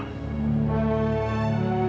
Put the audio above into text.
aku akan mengatakannya camilla